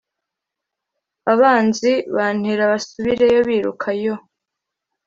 abanzi bantera basubireyo biruka, yoo